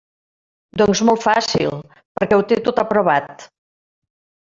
Doncs molt fàcil: perquè ho té tot aprovat!